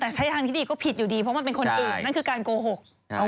แต่ถ้าทางที่ดีก็ผิดอยู่ดีเพราะมันเป็นคนอื่นนั่นคือการโกหก